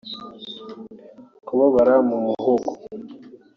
kubabara mu muhogo